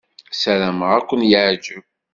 Ssarameɣ ad kem-yeɛjeb.